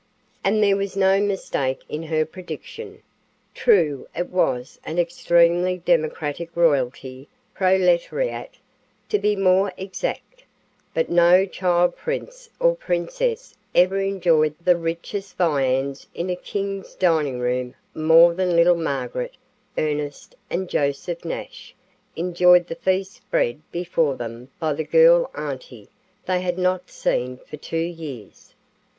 And there was no mistake in her prediction. True, it was an extremely democratic royalty proletariat, to be more exact but no child prince or princess ever enjoyed the richest viands in a king's dining room more than little Margaret, Ernest and Joseph Nash enjoyed the feast spread before them by the girl auntie they had not seen for two years.